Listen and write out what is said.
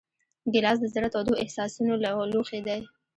ګیلاس د زړه تودو احساسونو لوښی دی.